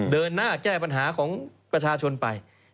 เดินหน้าแก้ปัญหาของประชาชนไป